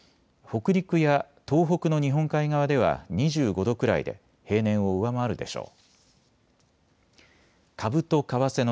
北陸や東北の日本海側では２５度くらいで平年を上回るでしょう。